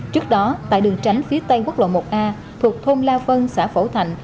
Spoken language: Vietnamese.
trước đó tại đường tránh phía tây quốc lộ một a thuộc thôn la vân xã phổ thành